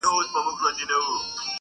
د ډول ږغ د ليري ښه خوند کوي.